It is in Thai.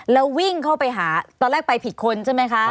แล้ววิ่งเข้าไปหาตอนแรกไปผิดคนใช่ไหมคะ